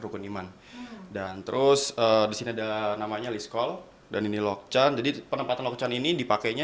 rukun iman dan terus di sini ada namanya listkol dan ini loksan jadi penempatan loksan ini dipakainya